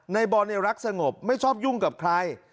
ในบอลรักสงบไม่ชอบยุ่งกับใคร